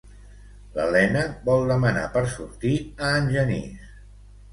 L'Elena vol demanar per sortir a en Genís.